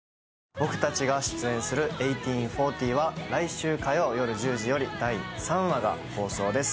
僕たちが出演する「１８／４０」は来週火曜夜１０時より第３話が放送です。